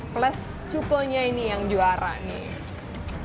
plus cukonya ini yang juara nih